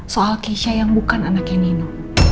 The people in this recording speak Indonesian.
soal keisha yang bukan anaknya ninu